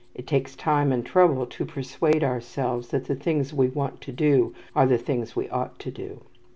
It takes time and trouble to persuade ourselves that the things we want to do are the things we ought to do.